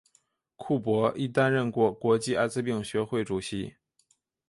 库珀亦担任过国际艾滋病学会主席。